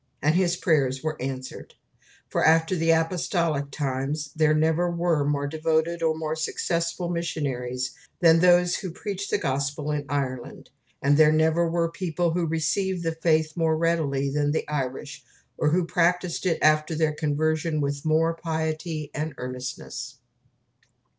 And his prayers were answered; for, after the Apostolic times, there never were more devoted or more successful missionaries than those who preached the Gospel in Ireland, and there never were people who received the Faith more readily than the Irish, or who practised it after their conversion with more piety and earnestness.